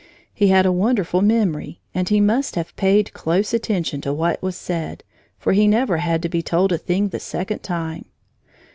He had a wonderful memory and must have paid close attention to what was said, for he never had to be told a thing the second time.